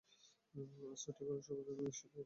আজ ঠাকুরের শুভ জন্মতিথি, সকলেই তাঁর নাম নিয়ে শুদ্ধ হবে।